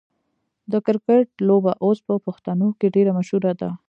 د کرکټ لوبه اوس په پښتنو کې ډیره مشهوره ده.